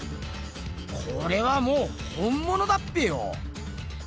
これはもう本ものだっぺよ！